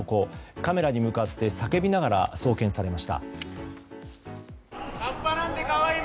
カメラに向かって叫びながら送検されました。